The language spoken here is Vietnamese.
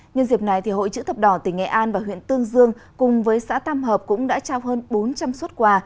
nhân dịp này hội chữ thập đỏ tỉnh nghệ an và huyện tương dương cùng với xã tam hợp cũng đã trao hơn bốn trăm linh xuất quà